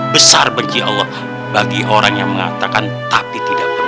besar bagi allah bagi orang yang mengatakan tapi tidak pernah